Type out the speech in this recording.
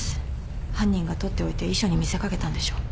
犯人が取っておいて遺書に見せかけたんでしょう。